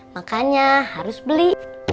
makanya harus beli